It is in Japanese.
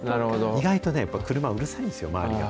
意外と車、うるさいんですよ、周りが。